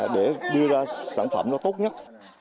đưa ra sản phẩm nó tốt nhất